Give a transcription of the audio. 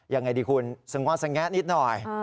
อย่างไรดีคุณสงสังแงะนิดหน่อย